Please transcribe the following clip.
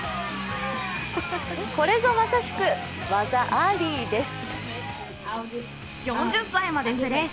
これぞまさしく技アリです。